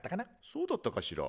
そうだったかしら？